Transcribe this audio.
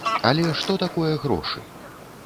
Але што такое грошы?